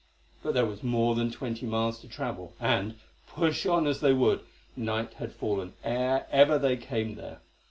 But there was more than twenty miles to travel, and, push on as they would, night had fallen ere ever they came there.